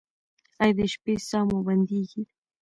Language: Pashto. ایا د شپې ساه مو بندیږي؟